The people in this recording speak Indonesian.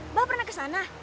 mbah pernah ke sana